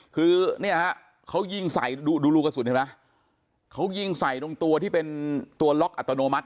คือเนี่ยฮะเขายิงใส่ดูรูกระสุนเห็นไหมเขายิงใส่ตรงตัวที่เป็นตัวล็อกอัตโนมัติ